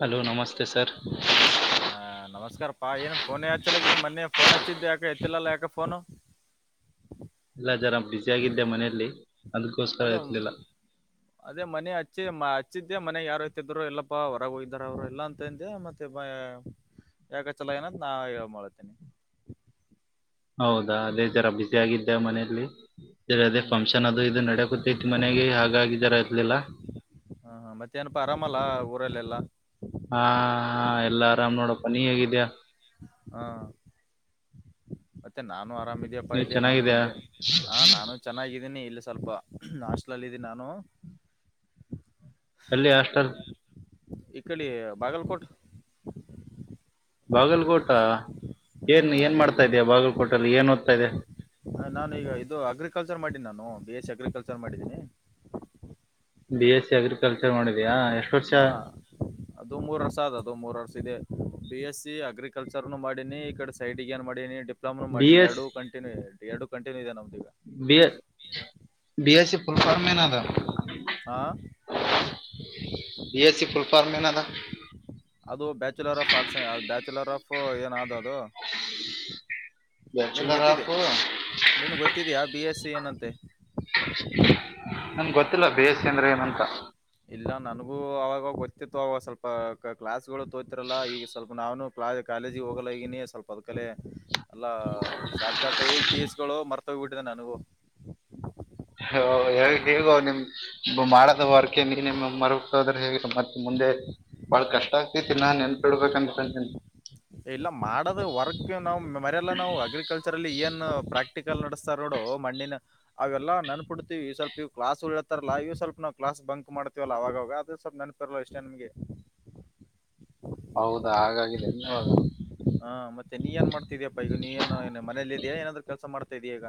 Hello ನಮಸ್ತೆ sir ಹ ನಮಸ್ಕಾರಪ್ಪಾ ಏನ್ ಫೋನೆ ಹಚ್ಚಲಕ್ಕಿದ್ದಿ ಮೊನ್ನೆ ಫೋನ್ ಹಚ್ಚಿದ್ದು ಯಾಕ ಎತ್ತಿಲ್ಲಲ್ಲಾ ಯಾಕೆ ಫೋನ್ [unintelligible] ಎ ಅಜ್ಜರ ಬ್ಯುಸಿ ಆಗಿದ್ದೆ ಮನೆಯಲ್ಲಿ ಅದಕ್ಕೋಸ್ಕರ ಅದೇ ಅಂದ್ರು ಎತ್ಲಿಲ್ಲ ಅದೇ ಮನೆ ಹಚ್ಚಿ ಹಚ್ಚಿದ್ದೆ ಮನೆ ಯಾರ್ತಿದ್ರು ಯಲ್ಲೊ ಪ್ಪಾ ಹೋರಾಗೋಯ್ದಾರ ಅವರು ಎಲ್ಲಾ ಅಂತಂದೆ ಮತ್ತೆ ಯಾಕೊ ಚೆಲೊಇಲ್ಲ ನಾ ಇವಾಗ್ ಮಾಡತೇನಿ ಹೌದಾ ಅದೇ ಜ್ಜರ ಬಿಜಿ ಆಗಿದ್ದೆ ಮನೆಯಲ್ಲಿ ಸರಿ ಹ್ಮ್ ಅದೇ ಹ್ಮ್, ಮತ್ತೆ ಫಂಕ್ಷನ್ ಅದು ಇದು ನಡಕೂತ್ತೈತಿ ಮನೆಗೆ ಹಾಗಾಗಿದರ ಇರ್ಲಿಲ್ಲ ಹಾ ಹ ಮತ್ತೆ ಏನಪ್ಪಾ ಆರಾಮಲ್ಲ ಊರಲ್ಲೆಲ್ಲಾ ಹಾ ಎಲ್ಲಾ ಆರಾಮ್ ನೋಡಪ್ಪ ನೀ ಹೇಗಿದ್ದೀಯಾ ಹಾ ಮತ್ತೆ ನಾ ಆರಾಮ್ ಇದಿಯಪ್ಪ ನೀ ಇಲ್ಲಿ ನಾನು ಚೆನ್ನಾಗಿದ್ಯಾ ಇಲ್ಲಿ ನಾನ ಚೆನ್ನಾಗಿ ಇದೀನಿ ಇಲ್ಲಿ ಸ್ವಲ್ಪ ನಾಸ್ಟ್ಲಲ್ಲಿ ಇದಿನ್ ನಾನು ಯಲ್ಲಿ ಹಷ್ಟಲ್ ಈಕ್ಕಲಿ ಬಾಗಲ್ಕೋಟ್ ಬಾಗಲ್ಕೋಟ ಏನ್ ಹ್ಮ್ ಏನ್ ಅಲ್ಲಿ ಮಾಡ್ತಾ ಇದಿಯ ಬಾಗಲ್ಕೋಟ್ ಅಲ್ಲಿ ಏನ್ ಓದ್ತಾ ಇದಿಯ ಹ ನಾನು ಈಗ ಇದು ಅಗ್ರಿಕಲ್ಚರ್ ಮಾಡಿನೊ ನಾನು ಬಿ ಎಚ್ ಇ ಅಗ್ರಿಕಲ್ಚರ್ ಮಾಡಿದ್ದೀನಿ ಬಿ ಎಸ್ ಸಿ ಅಗ್ರಿ ಹ ಅದು ಮೂರು ವರ್ಷ ಅದ ಮೂರು ವರ್ಷ ಇದೆ ಬಿ ಎಸ್ ಸಿ ಅಗ್ರಿಕಲ್ಚರ್ನು ಮಾಡಿನಿ ಈ ಕಡೆ ಸೈಟಿಗೆ ನ್ ಮಾಡಿನಿ ಡಿ ಲ ಬಿ ಮಾಡಿ ಎಸ್ ಎರಡು ಕಂಟಿನ್ಯ ಎಡು ಕಂಟನ್ೂ ಇದೆ ನಮ ಬಿ ಬಿ ಎ ಸಿ ಪುಲ್ಫರ್ಮನದ ಹಾ ಬಿ ಎಸ್ ಸಿ ಪುಲ್ಫಾರ್ಮ ಮನದ ಅದು bachelor of arts bachelor of ಏನಾದ ನ ಬ್ಯಾಚುಲರ್ ಗೊತ್ತಿದೆ ಆಫ್ ನನ್ ಗೊತ್ತಿದ್ಯಾ ಬಿ ಎಸ್ ಏನಂತೆ ನಮ ಗೊತ್ತಿಲ್ಲ ಬೇಸ ಅಂದ್ರೆ ಏನಂತ ಇಲ್ಲ ನನ್ಗೂ ಅವಾಗ ಗೊತ್ತಿತ್ತು ಅವಾಗ ಸ್ವಲ್ಪ ಕ್ಲಾಸ್ಗಳು ತೋತಿರಲ್ಲ ಈಗ ಸ್ವಲ್ಪ ನಾವು ಕ್ಲಾಸ್ ಕಾಲೇಜಿಗೆ ಹೋಗಲ್ಲಗನಿ ಸ್ವಲ್ಪ ಅದ್ಕ ಎಲ್ಲಾ ಶಾರ್ಟ್ಕಟ್ ಕೇಸ್ ಗಳು ಮರ್ತೋಗಿಬಟ್ಟ [unintelligible] [inaudible] ಹೇಗ ನಿಮ್ ಮಾಡದ ವರ್ಕ ನಿ ಮರತೋದ್ರೆ ಹೇಗ ಮತ್ತೆ ಮುಂದೆ ಬಾಳ ಕಷ್ಟ ಆಗ್ತೈತಿ ನಾನ್ ಎನ್ಪಡ್ಬೇಕಂತನಿ ಇಲ್ಲ ಮಾಡದು ವರ್ಕ್ ನಾವ್ ಮರಲ್ಲ ನಾವು ಅಗ್ರಿಕಲ್ಚರ್ ಅಲ್ಲಿ ಏನ್ ಪ್ರಾಕ್ಟಿಕಲ್ ನಡಸ್ತಾರ ನೋಡು ಮಣ್ಣಿನ ಅವೆಲ್ಲ ನನ್ಪಿಡ್ತಿೀವಿ ಸ್ವಲ್ಪ ಇವ ಕ್ಲಾಸ್ ಹೇಳ್ತಾರಲ್ಲ ಇವ ಸ್ವಲ್ಪ ನಾವು ಕ್ಲಾಸ್ ಬಂಕ್ ಮಾಡ್ತೀವಲ್ಲ ಅವಾಗವಾಗ ಅದು ಸ್ವಲ್ಪ ನೆನಪಿರಲ್ಲ ಇಷ್ಟೇ ನಿಮ್ಗೆ ಹೌದಾ ಹಾಗಾಗಿಾಗಿದೆ ಹ ಹ ಮತ್ತೆ ನೀ ಏನ್ ಮಾಡ್ತಿದಯಪ್ಪ ಈಗ ನೀ ಏನೋಏ ಮನೇಲ್ಲ ಇದೆಯಾ ಏನಾದ್ೂ ಕೆಲಸ ಮಾಡ್ತ ತದಿಯಗ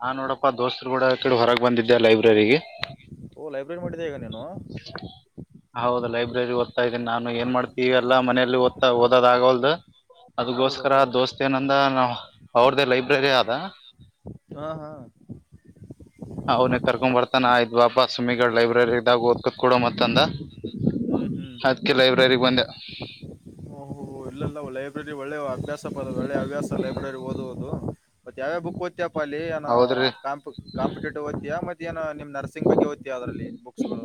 ನಾನ್ ನೋಡಪ್ಪಾ ದೋಸ್ತ್ರು ಕೂಡ ಕೇಳ ಹೊರಗೆ ಬಂದಿದ್ದೆ ಲೈಬ್ರರಿಗೆ ಹ ಲೈಬ್ರೆ ಮಾಡ ಜಗ ನೀ ಹೌದು ಲೈಬ್ರರಿ ಓದ್ತಾ ಇದ್ದೀನಿ ನಾನು ಏನ್ ಮಾಡ್ತೀವಿ ಎಲ್ಲಾ ಮನ ಅಲ್ಲಿ ಓದ್ಾ ಓದ್ ಆಗಲ್ದು ಅದಗೋಸ್ಕರ ಹೌದೌದು ದೋಸ್ತ್ ಏನಂದ ನಾ ಅವ್ರ್ದೇ ಲೈಬ್ರರಿ ಆದ ಹಾ ಹಾ ಅವ್ನಿಗೆಗ್ ಕರ್ಕೊ್ ಬರ್ತಾನ ಆಯ್ ಬಾಬಾುಿಗಡ್ ಲೈಬ್ರರಿ ಇದ್ದಾಗ ಓದ್ಕತ್ ಕೊಡ ಮತ್ತಂದ ಹ್ಮ್ ಹ್ಮ್ ಅದ್ಕ್ಕೆ ಲೈಬ್ರರಿಗ್ ಬಂದೆ ಓಹ ಇಲ್ಲಲ್ಲ ಲೈಬ್ರರಿ ಒಳ್ಳೆ ಅಭ್ಯಾಸ ಪ ಒಳ್ಳೆ ಹಭ್ಯಾಸ ಅಲ್ಲ ಎಡ ಓದ ಹಓದು ಮತ್ತ ಯಾವ್ಯಾವ ಬುಕ್ ಓ್ತಪ್ಪ ಅಲ್ಲಿ ಏಾ ಹೌದ್ರಿ ಕಂಪಿಟೇಟಿವ್ಓ್ತಿಯ ಮತ್ತೆ ಏ ನಿಮ್ದ ನರ್ಸಿಂಗ್ ಬಗ್ಗೆ ಓ್ತೀ ಅದ್ರಲ್ಲಿ ಬುಕ್ಸ್ಗಳು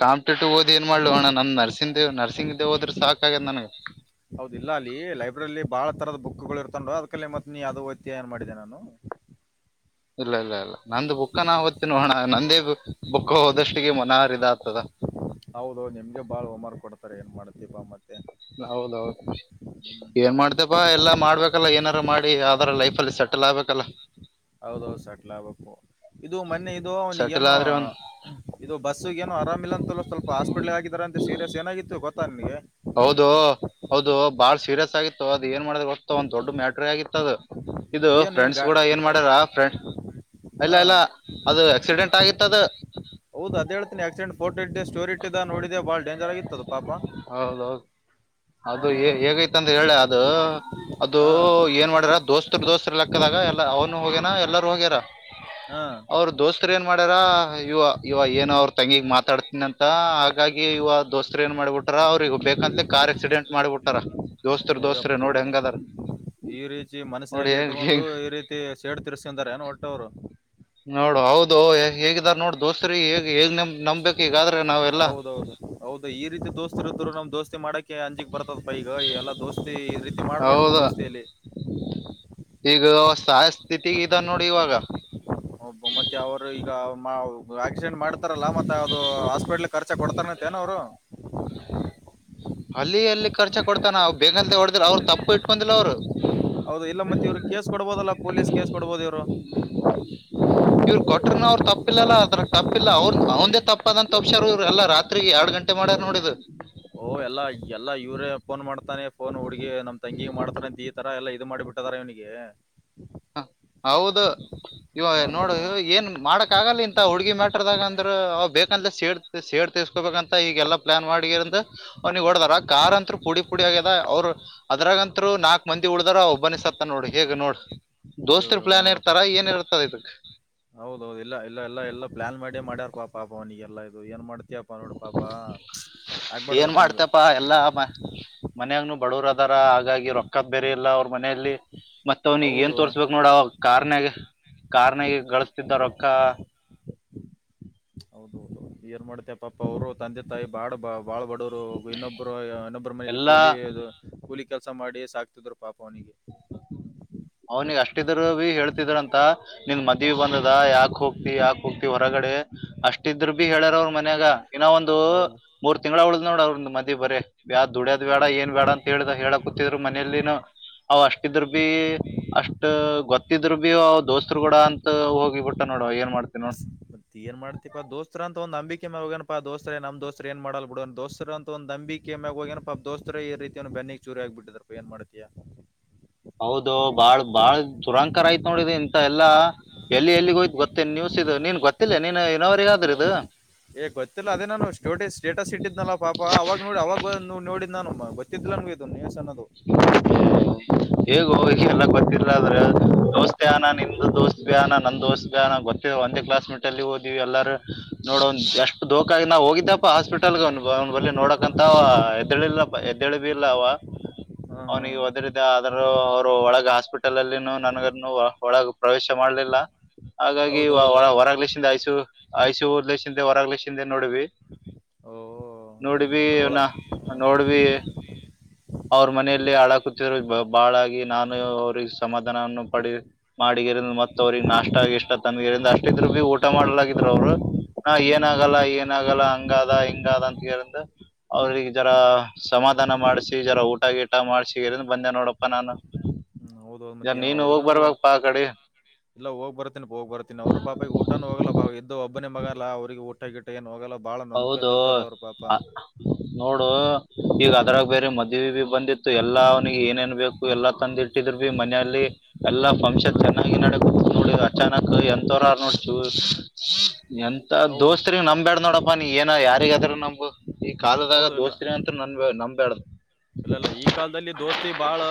ಕಾಂಿಟೇಟಿವ್ ಓದ ಏನ್ ಮಾಡ್ಲೋಣ ನರ್ಸಂಗ್ ನರ್ಸಂಗ್ೇ ಹೋದ್ರ ಸಾಕಾಗಗೆ ನನಗೆ ಹೌದಿಲ್ಲ ಅಲ್ಲಿ ಲೈಬ್ರರಿಲಿ ಬಾಳ ತರದ ಬುಕ್ ಗಳು ಇರ್ತೊಂಡು ಅದ್ಕಲ್ಲಿ ಮತ್ತೆ ನೀ ಯಾ್ದೋ ವ್ಯ ಏನ್ ಮಾಡಿದೆನೆ ನಾನು ಇಲ್ಲ ಇಲ್ಲ ಇಲ್ಲ ನಂದು ಬುಕ್ಕ ನಾ ಹೊತ್ತಿ ನೋಣ ನಂದೇ ಬುಕ್ ಹೋದಷ್ಟಿಗೆ ಮನಹಾರಿದ ಹೌದು ನಿಮ್ಗೆ ಬಾಳ್ ಹೋಮಾರ್ ಕೊಡ್ತಾರೆ ಏನ್ ಮಾಡತಿೀ ಬ ಮತ್ತೆ ಹೌದೌದು ಏನ್ ಹ್ಮ್ ಮಾಡ್ತೇಪಾ ಎಲ್ಲಾ ಮಾಡ್ಬೇಕಲ್ಲ ಏನಾರ ಮಾಡಿ ಅದಾರ ಲೈಫಲ್ಲಿ ಸ ಕಟಲಾವ ಕಲ್ಲ ಹೌದೌದು ಸಟ್ಲ್ ಆಗ್ಬೇಕು ಇದು ಮೊನ್ನೆ ಇದು ಸೆಟಲ್ ಅವನಗೇನೋ ಆದ್ರೆ ಒಂದ್ ಇದು ಬಸ್ಸಗೇನೋ ಆರಾಮ ಇಿಲ್ಲ ಅಂತ ಸ್ವಪಾಸ್ಪಿಟ್ಲ್ ಆಗಿದಿದ್ದಾರೆ ಅಂತೆ ಸೀರಿಯಸ್ ಏನಾಗಿತ್ತು ಗೊಾ ನನ್ಗೆ ಹೌದು ಹೌದು ಬಾಳ್ ಸೀರಿಯಸ್ ಆಗಿತ್ತು ಏನ್ ಮಾಡ ಗೊತ್ತಾ ಒಂದ್ ದೊಡ್ ಮ್ಯಾಟ್ರ ಆಗಿತ್ತದದು ಇದು ಏನ್ ಫ್ರೆಂಡ್ಸ್ ಗಾ ಕೂಡ ಏನ್ ಮಾಡ್ಯಾರ ಫ್ರಂಡ್ ಇಲ್ಲ ಹಾ ಇಲ್ಲ ಅದು ಆಕ್ಸಿಡೆಂಟ್ ಆಗಿತ್ತದು ಹ ಆಕ್ಸಡೆಂಟ್ೋಡ್ದೆ ಸ್ಟೋರಿ ಇಟ್ಟಿದ್ದ ನೋಡಿದೆ ಬಾಳ ಡೇಂಜರ್ ಆಗಿತ್ತು ಅದು ಪಾಪ ಹೌದೌದು ಹಾ ಅದು ಹೇಗೈತಂತ ಹೇಳಿ ಅ ಅದು ಹಾ ಹಾ ಏನ್ ಮಾಡರ ದೋಸೆ ದೋಸ್ತ ಲೆಕ್ಕದಾಗ ಎಲ್ಲ ಅವನು ಹೋಗ್ಯನಾ ಎಲ್ಲರೂ ಹೋಗ್ಯಾರ ಹಾ ಅವ್ರರು ದೋಸ್ತರ ಏನ ಮಾಡ್ಯಾರ ಇವ ಇವ ಏನು ಅವ್ರ ತಂಗಿಿಗೆ ಮಾತಾಡ್ತನಿ ಅಂತ ಹಾಗಾಗಿ ಇವ ದೋಸ್ತರ ಏನ್ ಮಾಡ್ಬಿಟ್ಟು ಅವ್ರಿಗೆಗ ಬೇಕಂದ್ರೆ ಕಾರ್ ಆಕ್ಸಿಡೆಂಟ್ ಮಾಡಿಬಿಟ್ಟಾರ ಹೂ್ಯಪ್ಪು ಈ ರೀತಿ ನೋಡಿ ಮನಸ್ಸಿನಲ್ಲಿ ಹೇಗ್ ಇಟ್ಕೊಂಡು ಹೇಗ್ ಈ ರೀತಿ ಸೇಡ್ ತಿರ್ಸ್ಕೊಂಡರೆ ಒಟ್ಟೋರು ನೋಡು ಹೌದು ಹೇಗಿದಾರ ನೋಡ್ ದೋಸ್ತ್್ರರಿ ಹೇಗ್ ಹೇಗ್ಮ್ ನಂಬ್ಬೇಕಕ್ ಈಗ ಹೌದೌದು ಹೌದು ಈ ರೀತಿ ದೋಸ್ತಿ ಇರದರು ನಮ್ ದೋಸ್ತಿ ಮಾಡಕೆ ಅಂಜಿಕ್ ಬರ್ತದಪ್ಪ ಈಗ ಎಲ್ಲ ದೋಸ್ತಿ ಈ ರೀತಿ ಮಾಡ್ಬಾರಡ್ದು ಹೌದು ದೋಸ್ತಿಯಲ್ಲಿ ಈಗ ಸಹ ಸ್ಥಿತಿಗ ಇದ ನೋಡಿ ಇವಾಗ ಬೊಮ್ಮತ್ತ ಅವ್ರು ಈಗ ಆಕ್ಸಿಡೆಂಟ್ ಮಾಡ್ತಾರಲ್ಲ ಮತ್ತೆ ಅದು ಹಾಸ್ಪಿಟಲ್ ಖರ್ಚ ಕೊಡ್ತಾರ ತನ ಅವರು ಅಲ್ಲಿ ಅಲ್ಲಿ ಖರ್ಚ ಕೊಡ್ತಾನ ಅವವು ಬೇಕಂದಂತ ಹೊಡ್ದಿಲ್ಲ ಅವ್ರು ತಪ್ಪು ಇಟ್ಕೊಂಡಿಲ್ಲ ಅವ್ರು ಹೌದು ಇಲ್ಲ ಮತ್ತೆ ಇವ್ರು ಕೇಸ್ ಕೊಡ್ಬೋದಲ್ಲ ಪೊಲೀಸ್ ಕೇಸ್ ಕೊಡ್ಬೋದು ಇವ್ರು ಇವ್ರು ಕೊಟ್ರನ ಅವ್ರರು ತಪ್ಪಿಲ್ಲಲ್ಲ ಅದ ತಪ್ಪಿಲ್ಲ ಅವ್ರ ಅವಂದೇ ತಪ್ಪ ಅದಂತ ತಪ್ಪಸಾರ ಇವ್ರ ಎಲ್ಲ ರಾತ್ರಿ ಎರಡ್ ಗಂಟೆ ಗಂಟೆ ಮಾಡ ನೋಡಿದ್ದ ಓ ಎಲ್ಲಾ ಎಲ್ಲ ಇವ್ರೇ ಫೋನ್ ಮಾಡ್ತಾನೆ ಫೋನ್ ಹುಡುಗ ನಮ್ ತಂಗಿಿಗೆ ಮಾಡ್ತಾರ ಅಂತ ಈ ತರ ಎಲ್ಲ ಇದು ಮಾಡಿಬ ಬಿಟ್ಟಾರ ಇವನಿಗೆ ಹ ಹಾ ಹೌದು ಇವ ಹಾ ಹಾ ನೋಡು ಹಾ ಏನ್ ಮಾಡಕ್ ಆಗಲ್ಲ ಇಂತ ಹುಡ್ಗಿ ಮ್ಯಾಟ್ರದಾಗ ಅಂದ್ರ ಬೇಕಂದ್ರೆ ಸೇಡ್ ಸೇಡ್ ತಸ್ಕೋಬೇಕ ಅಂತ ಈಗಗೆಲ್ಲ ಪ್ಲಾನ್ ಮಾಡಿ್ ಅವ್ನಿಗೆಗ್ ಹೊಓಡಾರ ಕಾರ್ ಅಂರು ಪುಡಿ ಪುಡಿ ಆಗ್ಯದ ಅವ್ರು ಅದ್ರಾಗಂತ್ರು ನಾಕಕ್ ಮಂದಿ ಉಳ್ದಾರ ಒಬ್ಬನಸತ್ತ ನೋಡ್ ಹೇಗ್ ನೋಡ್ ಹ ದೋಸ್ತರ ಪ್ಲಾನ್ ನೋಡಪ್ಪ ಇರ್ತಾರ ಏನ್ ಇರ್ತದ ಇದಕ್ ಹೌದೌದು ಎಲ್ಲ ಇಲ್ಲ ಎಲ್ಲಾ ಎಲ್ಲಾ ಪ್ಲಾನ್ ಮಾಡಿ ಮಾಡ್ಯಾರ್ ಪಾಪಾ ಪವನಿಗೆಲ್ಲ ಇದು ಏನ್ ಮಾಡ್ತ ಪನ್ನೋಡ ಪಾಪಾ ಆಗ್ಬಾಡ್ದ ಏನ್ ತ ಹೆಂಗು ಮಾಡ್ತೇಪಾ ಾರ ಹಾಗಾಗಿ ರೊಕ್ಕದ ಬೇರೆ ಇಲ್ಲ ಅವ್ರ ಮನೆಯಲ್ಲಿ ಮತ್ತ ಅವ್ನಿಗೆಗ ಏನ್ ಹೌದು ತೋರ್ಸ್ಬೇಕಕ್ ನೋಡ ಅವ ಕಾರ್ನ್ಾಗ ಕಾರ್ನ್ಾಗ ಗಳ ದರಕ ಹೌದೌದು ಏನ್ ಮಾಡ್ತ ಪಾಪ ಅವರು ತಂದೆ ತಾಯಿ ಬಾಡ ಬಾ ಬಾಳ್ ಬಡವರು ಇನ್ನೊಬ್ಬರು ಇನ್ನೊಬ್ಬರ ಮನಲಿ ಎಲ್ಲಾ ಕೂಲಿ ಕೂಲಿ ಕೆಲಸ ಮಾಡಿ ಸಾಕ್ತಿದ್ರು ಪಾಪ ಅವನಿಗೆ ಹ ಹ ಹ್ಮ್ ಅವನಿಗ್ ಅಷ್ಟಿದರು ಭೀ ಹೇಳ್ತಿದ್ರಂತ ನಿಂದ ಮದ್ವಿ ಬಂದದ ಯಾಕಕ್ ಹೋಗ್ತಿ ಯಾಕ್ ಹೋಗತಿವಿ ಹೊರಗಡೆ ಅಷ್ಟೇ ಇಟ್ಟಿದ್ರು ಬಿೀ ಹೇಳ್ಯಾರ ಅವ್ರ ಮನ್ಯಾಗ ಇನ್ನ ಒಂದು ಹೌದು ಮೂರ್ ತಿಂಗಳ ಉಳ್ದ್ ನೋಡ ಅವ್ರ ಮದಿ ಬರೀ ಬ್ ದುಡ್ಯದ್ ಬೇಡ ಹ್ಮ್ ಏನ್ ಬೇಡ ಅಂತ ಹೇಳ ಹೇಳಕ್ ಗೊತ್ತಿದ್ರು ಮನಲಿನು ಅವ್ ಅಷ್ಟಿದರು ಬಿೀ ಅಷ್ಟ ಗೊತ್ತಿದ್ರು ಭೀ ಅವ ದೋಸ್ತ್ರು ಕೂಡ ಅಂತ ಹೋಗಿಬಿಟ್ಟ ನೋಡ ಏನ್ ಮಾಡ್ತವಿ ನೋಡ ಮತ್ತ ಏನ್ ಮಾಡ್ತಿಪಾ ದೋಸ್ತ ಅಂತ ಒಂದ ಅಂಬಿಕೆ ಹೋಗಣಪ್ಪಾ ದೋಸ್ರ ನಮ್ಮ ದೋಸ್ರ ಏನ್ ಮಾಡಲ್ ಬಿಡ ದೋಸ್ರ ಅಂತ ಒಂದ ನಂಬಿ ಬಿ ಕೆಮ್ಯಾಗ ಹೋಗೇನಪ್ಪಾ ದೋಸ್ತರ ಈ ರೀತಿ ಬೆನ್ನಿಗ್ ಚೂರಿ ಆಗ್ಬಟ್ಟಿದಾರಪ್ಪ ಏನ್ ಮಾಡ್ತಿಯಾ ಹೌದು ಬಾಳ್ ಬಾಳ್ ಚುರಾಂಕಾರ ಆಯ್ತು ನೋಡಿದ ಇಂತ ಎಲ್ಲಾ ಎಲ್ಲಿ ಎಲ್ಲಿಗೆ ಹೋಯ್ತು ಗೊತ್ತ ನ್ಯೂಸ್ ಇದು ನೀನ್ ಗೊತ್ತಿಲ್ಲ ನೀನ್ ಇನೋವ್ರಗಾದ್ರ ಇದು ಏ ಗೊತ್ತಿಲ್ಲ ಅದೇ ನಾನು ಸ್ಟೋಟ ಸ್ಟೇಟಸ್ ಇಟ್ಟಿದನಲ್ಲ ಪಾಪ ಅವಾಗ ನೋಡಿ ಅವವಾಗ ನೋಡಿ ನಾನು ಗೊತ್ತಿದ್ದಿಲ್ಲ ನಮಗೆ ಇ ನೀಸ್ ಅನ್ನೋದು ಹೇಗ ಹೋಗಿ ಎಲ್ಲ ಗೊತ್ತಿಲ್ಲ ಆದ್ರೆ ದೋಸ್ತಿ ಅಾನ ನಿಂದುು ದೋಸ್ತ್ ಭ ಅಾನ ನಂದ ದೋಸ್ ಭ ಅಾನ ಗೊ ಮತ್ತ ಒಂದೇ ಕ್ಲಾಸ್ ಮೀಟರ್ ಅಲ್ಲಿ ಹಓದಿವವಿ ಎಲ್ಲಾರೂ ನೋಡೋ ಎಷ್ಟು ದೋಖಕಗ ನಾ ಹೋಗಿದ್ದ ಹಾಸ್ಪಿಟಲ್ಗ ಅವನ್ ಅವ್ ಬಳಿ ನೋಡಕಂತ ಎದ್ದಳಿಲ್ಲ ಎದ್ದಳಿ ಭ ಇಲ್ಲ ಅವ ಹಾ ಹಾ ಅವ್ನಿಗೆ ಒದ್ರಿದ್ದ ಆದ್ರೂ ಅವರು ಒಳಗ ಹಾಸ್ಪಿಟ್ಲ್ ನನಗ ಒಳಗ ಪ್ರವೇಶ ಮಾಡ್ಲಿಲ್ಲ ಹಾಗಾಗಿ ಹೌದೌದು ಹೊರಗ್್ಲಷಿಂದ ಆಯಸು ಆಐ್ು ಓದ್ಲೆಕ್ಷಿಂದೆ ಹೊರಗ್ಲಕ್ಷಿಂದೆ ನೋಡ್ವಿ ಓ ಹಂಗ್ ನೋಡ್ವಿ ಅಂದ್ರ ಒಳ ಅವನ ಹ್ಮ್ ನೋಡ್ವಿ ಅವ್ರ ಮನೆಯಲ್ಲಿ ಅಳ ಕುತ್ತಿರೋ ಬಾಳಾಗಿ ನಾನು ಅವ್ರ ಸಮಾಧಾನವನ್ನು ಪಡಿ ಮಾಡ ಗ ಮತ್ ಅವ್ರಿಗೆ ನಾಷ್ಟ ಆಗಿ ಇಷ್ಟ ತಂದಗಿರಿಂದ ಅಷ್ಟ ಇದ್ರು ಬಿೀ ಊಟ ಮಾಡಲಾಗಿದರು ಅವ್ರು ಹಾ ಏನ ಹ್ಮ್ ಆಾಗಲ್ಲ ಏನ ಆಾಗಲ್ಲ ಹಂಗದ ಹಂಗ ಹಿಂಗಾದ್ ಅಂತ್ ಹೇಳಿತ ಅವ್ರಿಗ ಜರ ಸಮಾಧಾನ ಮಾಡಿಸಿ ಈ ಜರ ಊಟಾ ಗಿಟಾ ಮಾಡ್ಸಿ ಈಗನ ಬನ್ನಿ ನೋಡಪ್ಪ ನಾನ. ಹ್ಮ್, ಹೌದೌದು ಯ ಮತ್ತೆ ಏನ್ ನೀನು ಹೋಗ್ ಅವ್ರಿಗೇನು ಹೋ- ಬರ್ಬೇಕಪ್ಪಾ ಆಕಡಿ. ಇಲ್ಲ ಹೋಗ್ ಬರ್ತೀನಿ ಹೋಗ್ ಬರ್ತಿನಿ ಅವರು ಪಾಪ ಈ ಊಟಾನ ಹೋಗಲ್ಲ ಪಾ [unintelligible] ಆಗೆತಿ. ಇದು ಒಬ್ಬನ ಮಗ ಅಲ್ಲ ಅವ್ರರಿಗ ಊಟ್ಟ ಗಿಟ್ಟ ಏನು ಹೋಗಲ್ಲ ಬಾಳ ಹೌದೋ ನೊಂದ್ಕೊಂಡಿರ್ತಾರ ಅವ್ರ ಪಾಪ ಅ ನೋಡು ಈಗ ಅದ್ರಾಗ ಬೇರೆ ಮದ್ವಿಬಿ ಬಂದಿತ್ತು ಎಲ್ಲ ಅವನಿಗ ಏನೇಏನ್ ಬೇಕು ಎಲ್ಲ ತಂದ್ ಇಟ್ಟಿದ್ರುಬಿ ಮನ್ಯ ಇಲ್ಲಿ ಎಲ್ಲಾ ಫಂಕ್ಷನ್ ಚೆನ್ನಾಗಿ ನಡೆ ನೋಡಿ ಅಚಾನಕ್ ಎಂತೋರ ಆರ್ ನೋಡ್ ಚು ಎಂತ ಹೌದು ದೋಸ್ತರಿಗ್ ನಂಬಬ್ಯಾಡ ನೋಡಪ್ಪಾ ನೀ ಏನ ಯಾರಿಗ ಅದ್ರ ನಂಬ. ಈ ಕಾಲದಾಗ ದೋಸ್ತರಿಗ್ ಅಂತ್ರು ನನ್ ನಂಬ್ಯಾಡ್. ಇಲ್ಲಲ್ಲ ಈ ಕಾಲದಲ್ಲಿ ದೋಸ್ತಿ ಬಾಳ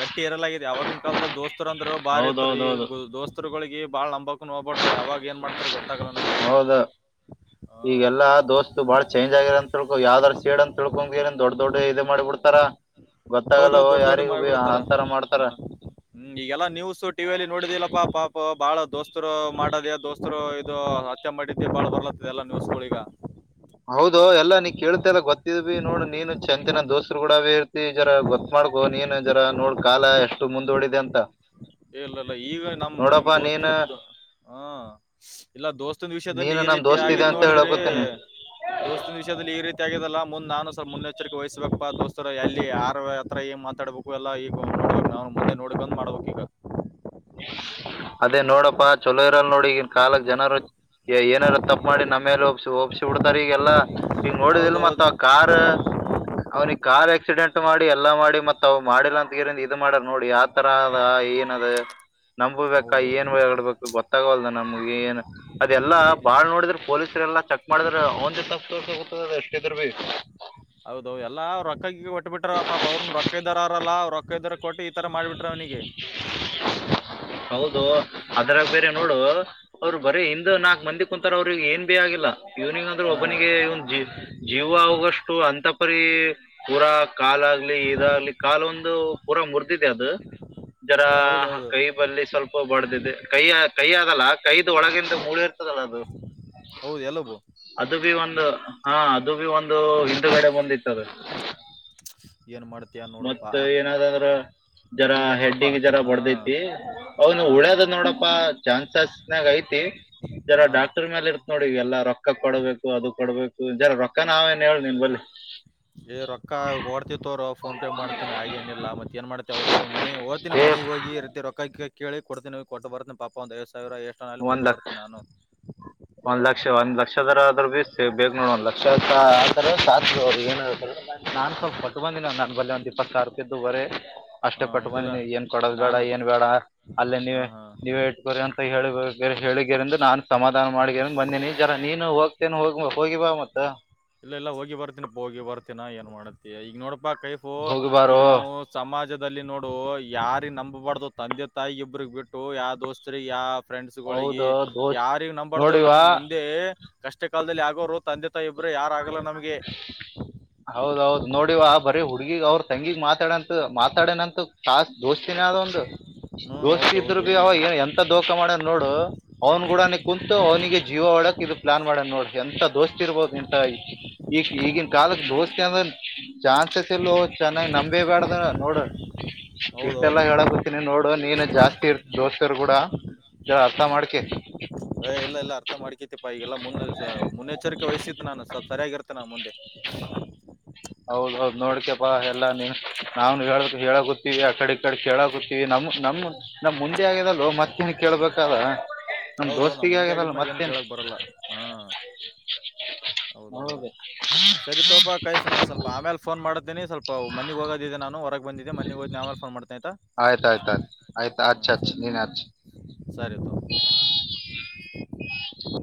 ಗಟ್ಟಿ ಇರಲಾಗಿದೆ ಆವಾಗಿನ ಕಾಲದ್ದಾಗ್ ದೋಸ್ತರು ಅಂತ ಬಾರಿ ಇದ್ರು ಈ ಹೌದೌದೌದು ದೋಸ್ತರುಗಳಿಗೆ ಬಹಳ ನಂಬಾಕ್ ಹೋಗ್ಬಾರ್ದ ಯಾವಾಗ ಏನ್ ಮಾಡ್ತಾರ ಗೊತ್ತಾಗಲ್ಲ ನಮ್ಗೆ. ಈಗೆಲ್ಲ ದೋಸ್ತ ಬಾಳ ಚೇಂಜ ಆಗಿ ಅಂತ ತಿಳ್ಕೋ ಯಾವ್ದಾದಾರ ಸೇಡ್ ಅಂತ ತಿಳ್ಕೊಂಡ ಏನ್ ದೊಡ್ ದೊಡ್ ಇದ ಮಾಡಿಬಿಡ್ತಾರಾ. ಹೌದೌದ ದೊಡ್ಡ ದೊಡ್ಡ ಮಾಡ್ಬಿಡತಾರ ಹ ಮಾಡ್ತಾರ ಹ್ಮ್ ಈಗೆಲ್ಲಾ ನ್ಯೂಸ್ ಟಿವಿಯಲ್ಲಿ ನೋಡಿದಿಲ್ಲಪ್ಪಾ ಪಾಪ ಭಾಳ ದೋಸ್ತರು ಮಾಡದ ದೋಸ್ತರು ಇದು ಹತ್ಯೆ ಮಾಡಿದಿ ಬಾಳ ಬರ್ಲತ್ತದ ಎಲ್ಲ ನ್ಯೂಸ್ಗಳ ಈಗ. ಹೌದೋ ಎಲ್ಲಾ ನೀ ಕೇಳ್ತಲ್ಲ ಗೊತ್ತಿದ್ಬಿ ನೋಡು ನೀನು ಚಂತಿನ ದೋಸ್ರು ಗೂಡಬಿ ಇರ್ತಿ ಜರಾ ಗೊತ್ ಮಾಡಕೋ ನೀನ್ ಜರ ನೋಡ್ ಕಾಲ ಎಷ್ಟು ಮುಂದೂಡಿದೆ ಅಂತ. ಏ ಇಲ್ಲ ಇಲ್ಲ ಈಗ ನಮ್ ಹ ನೋಡಪ್ಪ ನೀನ್ ದೋಸ್ತತಂದ ಇದು ಹ್ಮ ಇಲ್ಲ ದೋಸ್ತನ್ ವಿಷಯದಲ್ಲಿ ನೀನು ಈ ನನ್ ರೀತಿ ದೋಸ್ತ್ ಇದೆ ಆಗಿದ್ ಅಂತ ನೋಡಿದ್ರಿ ಹೇಳಕೊತೀನಿ ದೋಸ್ತಿನ ವಿಷಯದಲ್ಲಿ ಈ ರಿ ರೀತಿ ಆಗ್ಯದಲ್ಲಾ ಮುಂದ್ ನಾನು ಸ್ವಲ್ಪ ಮುನ್ನೆಚ್ಚರಿಕೆ ವಹಿಸಬೇಕಪ್ಪಾ ದೋಸ್ತರ ಎಲ್ಲಿ ಯಾರ್ ಹತ್ರ ಏನ್ ಮಾತಾಡಬೇಕು ಎಲ್ಲ ಈಗ ನ ನಾವು ಮುಂದೆ ನೋಡ್ಕಂಡ ಬ್ ಮಾಡ್ಬೇಕ ಈಗ. ಅದೇ ನೋಡಪ್ಪಾ ಚಲೋ ಇರಲ್ ನೋಡ ಈಗಿನ ಕಾಲಕ್ ಜನರು ಏ ಏನಾರ ತಪ್ಪ ಮಾಡಿ ನಮ್ಮೇಲೆ ಒಪ್ಸಿ ಓಪ್ಸಿ ಬಿಡ್ತಾರ ಈಗ. ಎಲ್ಲ ಈಗ ನೋಡಿದಿಲ್ಲ ಹೌದು ಮತ್ತ ಕಾರ್ ಅವನಿಗ ಕಾರ್ ಆಕ್ಸಿಡೆಂಟ್ ಮಾಡಿ ಎಲ್ಲಾ ಮಾಡಿ ಮತ್ ಅವವು ಮಾಡಿಲ್ಲ ಅಂತ ಗಿರಿಂದ್ ಇದು ಮಾಡ್ಯಾರ್ ನೋಡ ಯಾತರ ಅದ ಏನ ಅದ ನಂಬಬೇಕಾ ಹೌದು ಏನ್ ಹೇಳ್ಬೇಕು ಗೊತ್ತಾಗಲ್ ನಂಗ್ ನಮ್ಗೆ ಏನ್ ಅದೆಲ್ಲ ಏ- ಬಾಳ್ ನೋಡಿದ್ರ ಪೊಲೀಸರ ಎಲ್ಲ ಚೆಕ್ ಮಾಡಿದ್ರ ಅವನ್ದೇ ತಪ್ಪ ತೋರಿ ಇದ್ರುಬಿ. ಹೌದು ಎಲ್ಲ ರೊಕ್ಕ ಗಿಕ್ಕ ಕೊಟ್ಟ ಬಿಟ್ಟರ್ ಪಾಪ ಅವ್ರನೂ ರೊಕ್ಕ ಇದ್ದಾರ ಆರ್ ಅಲಾ ರೊಕ್ಕ ಇದಾರ ಕೊಟ್ಟು ಈತರ ಮಾಡ್ಬಿಟ್ರ ಅವನೀಗ. [unintelligible] [unintelligible] ಹೌದೋ ಅದ್ರಾಗ ಬೇರೆ ನೋಡು ಅವರು ಬರೀ ಹಿಂದ ನಾಕ್ ಮಂದಿ ಕುಂತಾರ ಅವ್ರಿಗ ಏನ್ ಭೀ ಆಗಿಲ್ಲ. ಇವ್ನಿಗ್ ಅಂದ್ರ ಹಾ ಒಬ್ಬನಿಗೆ ಇವ್ನ್ ಜೀ ಜೀವ ಹೋಗಷ್ಟು ಅಂತಪರಿ ಪೂರಾ ಕಾಲಾಗ್ಲಿ ಇದಾಗ್ಲಿ ಕಾಲೊಂದು ಪೂರ ಮೂರ್ದಿದೆ ಅದು ಜರ ಹೌದೌದು ಕೈ ಬಲ್ಲಿ ಸ್ವಲ್ಪ ಬಡದಿದೆ ಕೈ ಕೈ ಆಗಲ್ಲ ಕೈದ ಒಳಗಿಂದ ಮೂಳೆ ಇರ್ತದಲ್ಲ ಅದು ಹೌದು ಎಲ್ಲಬು ಒ ಹಾ ಅದು ಬಿ ಒಂದು ಹಿಂದುಗಡೆ ಬಂದಿತ್ತ ಅದ. ಏನ್ ಮಾಡ್ತಿ ಮತ್ತ ಏನಾದ ಅಂದ್ರ ಜರ ಈಗ ನೋಡಪ್ಪ ಹೆಡ್ಡಿಗ್ ಜರ ಹಾ ಬಡದೈತಿ ಅವನು ಹಾ ಉಳ್ಯದ ನೋಡಪ ಚಾನ್ಸಸ್ನಾಗ ಐತಿ. ಜರ ಹಾ ಡಾಕ್ಟರ್ ಮೇಲ್ ಇರ್ತದ ನೋಡಿ ಈಗ ಎಲ್ಲ ರೊಕ್ಕ ಕೊಡ್ಬೇಕು ಅದು ಕೊಡ್ಬೇಕು ಜರ ರೊಕ್ಕ ನಾವೇ ಏನ್ ಹೇಳ ನಿನ್ ಬಲ್ಲಿ. ಎ ರೋಕ್ಕಾ ಕೊಡ್ತಿವ ತೊಗೊರೊ. ಫೋನ್ ಪೇ ಮಾಡ್ತೀನಿ ಹಾಗೆನಿಲ್ಲ ಮತ್ತ ಏನ್ ಮಾಡ್ತಿ ಅವರಿಗ ಮನೆ ಹೊತಿನ ಏ ಮನಿಗ್ ಹೋಗಿ ಈ ರೀತಿ ರೊಕ್ಕ ಕೇಳಿ ಕೊಡ್ತೀನಿ ಕೊಟ್ಟ ಬರ್ತೀನಿ ಪಾಪ ಒಂದು ಐವತ್ ಸಾವ್ರ ಎಷ್ಟುನ ಆಗ್ಲಿ ಕೊಟ್ಟ ಒಂದ್ ಲಕ್ಷ ಬರ್ತೀನಿ ನಾನು. ಒಂದ್ ಲಕ್ಷ ಒಂದ್ ಲಕ್ಷದರ ಆದ್ರೂ ಬೀಿಸ ಬೇಕ್ ನೋಡ ಒಂದ್ ಲಕ್ಷ ಆದ್ರ ಸಾಧ್ಯ ಏನ ನಾನ್ ಸ್ವಲ್ಪ ಹೊಟ್ಟು ಬಂದನವ ನನ್ ಬಲ್ಲೆ ಒಂದ್ ಇಪ್ಪತ್ತು ಸಾರು ತ್ದು ಬರೇ ಅಷ್ಟೇ ಹ ಕಟ್ ಬಂದ್ ಇಲ್ಲಲ್ಲ ನೀ ಏನ್ ಕೊಡೋದ ಬೇಡ ನಾನು ಏನ್ ಬೇಡ ಅಲ್ಲೇ ಹ ನೀವೇ ಹಾ ನೀವೇ ಇಟ್ಕೋರಿಿ ಅಂತ ಹೇಳಿ ಹೇಳರಿಂದ ನಾನು ಸಮಧ ನ್ ಮಾಡಿ ಬಂದೇನಿ ಜರ ನೀನು ಹೋಗ್ತೇನೆ ಹೋಗಿ ಹೋಗಿಿವಾ ಮತ್ತ ಇಲ್ಲ ಇಲ್ಲ ಹೋಗಿ ಬರ್ತನಪ್ಪ ಹೋಗಿ ಬರ್ತೀಿನ ಏನ್ ಮಾಡತ್ತತಿ ಈಗ ನೋಡಪಾ ಕೈಫು ಹೋಗಿ ಈಗ ಬಾರೋ ನಾವು ಸಮಾಜದ ಲ್ಲಿ ನೋಡು ಯಾರಿ ನಂಬಬಾರ್ದು ತಂದೆ ತಾಯಿ ಇಬ್ರಗ್ ಬಿಟ್ಟು ಯಾವ ದೋಸ್ತರಿ ಯಾವ ಫ್ರೆಂಡ್ಸ್ಗಳಿಗೆ ಹೌದು ದೋಸ್ತ್ ಯಾರಗ್ ನಂಬಂಬಾರ್ದು ನಮ್ ನೋಡಿವಾ ಮುಂದೆ ಕಷ್ಟ ಕಾಲದಲ್ಲಿ ಯಗೋರು ತಂದೆ ತಾಯಿ ಒಬರ ಯಾರಾಗಲ್ಲ ನಮಗೆ ಹೌದೌದ್ ನೋಡಿವಾ ಬರೀ ಹುಡ್ಗಿಗ್ ಅವ್ರ ತಂಗಿಗ್ ಮಾತಾಡಂತ ಮಾತಾಡನಂತ ಕಾಸ ದೋಸ್ತಿನಿ ಅದ ಒಂದು ಹ್ಮ್ ಯೋಸ್ ಇದ್ರು ಹೌದೌದು ಬಿ ಅವ ಎಂತ ದೋಖ ಮಾಡ ನೋಡು ಅವ್ನ ಗೂಡನ ಕುೂಂತು ಅವನಿಗೆ ಜೀವ ೋಡಕ್ ಇದು ಪ್ಲಾನ್ ಮಾಡಣ ನೋಡ ಎಂತ ದೋಸ್ತಿ ಇರ್ಬೋದು ಎಂಟಾಯ ಈಗ ಈಗಿನ ಕಾಲಕ್ಕೆ ದೋಸ್ಕೆ ಅಂದ ಚಾನ್ಸಸ್ ಎಲ್ಲೋ ಚೆನ್ನಾಗಿ್ ನಮ ಬೇ ಬೇಡ್ದ ನೋಡು ಹೌದೌದು ಇಷ್ಟೆಲ್ಲಾ ಹೌದು ಹೇಳಕತೀಿನಿ ನೋಡು ನೀನ್ ಜಾಸ್ತಿ ಇರ್ತ್ ದೋಸ್ತರು ಕೂಡ ಜ ಅರ್ಥ ಮಾಡ್ಕೆ ಏ ಇಲ್ಲ ಇಲ್ಲ ಅರ್ಥ ಮಾಡ್ಕತಿಪ್ಪ ಈಗೆಲ್ಲ ಮುಂದ್ ಮುನ್ನೆಚ್ಚರಿ ವಹಸಿದ್ದ ನಾನು ಸ್ವಲ್ಪ ಸರಿಯಾಗಿರ್ತ್ತೆ ನ ಮುಂದೆ ಹೌದೌದ್ ನೋಡ್ಿಕಪ್ಪಾ ಎಲ್ಲಾ ನೀ ನಾವನ್ ಹೇಳ ಹೇಳ ಗೊತ್ತೀವಿ ಆಕಡೆ ಈ ಕಡೆ ಕೇಳಕತ್ತೀವಿ ನಮ್ ನಮ ನಮ್ ಮುಂದೆ ಆಗಿದಲ್ಲು ಮತ್ತೇನ್ ಕೇಳ್ಬೇಕಲ್ಲ ನಮ ಹೌದು ನಾ ದೋಸ್ತಿಗೆ ಮುಂದೆ ಆಗ್ಯದಲ್ಲ ಆಗಿದ್ಮ್ಯಾಗ ಏನ್ ಮತ್ತೇನ್ ಕೇಳಕ್ ಬರಲ್ಲ ಹಾ ಹೌದೌದು ಸರಿ ತೋಪಾ ಕೈಫ್ ನಾ ಹೌದ ಸ್ವಲ್ಪ ಆಮೇಲೆ ೋನ್ ಮಾಡಿದ್ದೀನ ಸ್ವಲ್ಪ ಮನೆಗ್ ಹೋಗೋದಿದೆ ನಾವು ಬ ಆಯ್ತ್ ಆಯ್ತ್ ಆಯ್ತ್ ಆಯ್ತ್ ಹಚ್ ಹಚ್ ನೀನ್ ಹಚ್. ಆ [unintelligible]